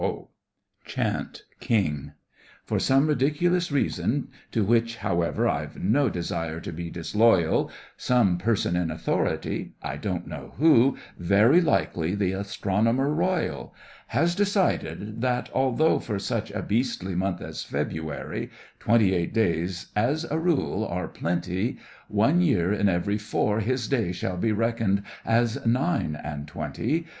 Ho! ho! ho! ho! CHANT—KING For some ridiculous reason, to which, however, I've no desire to be disloyal, Some person in authority, I don't know who, very likely the Astronomer Royal, Has decided that, although for such a beastly month as February, twenty eight days as a rule are plenty, One year in every four his days shall be reckoned as nine and twenty.